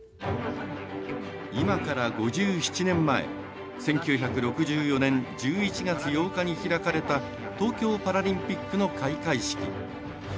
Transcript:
今から５７年前１９６４年１１月８日に開かれた東京パラリンピックの開会式。